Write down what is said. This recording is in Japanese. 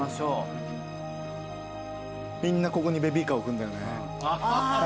みんなここにベビーカー置くんだよね。